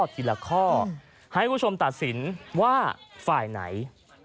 ให้คุณผู้ชมตัดสินว่าฝ่ายไหน